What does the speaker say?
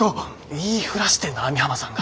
言いふらしてんだ網浜さんが。